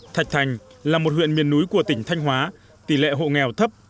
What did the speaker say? thạch thành là một huyện miền núi của tỉnh thanh hóa tỷ lệ hộ nghèo thấp